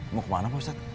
mau kemana pak ustad